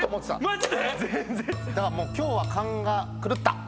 マジで⁉だからもう今日は勘が狂った。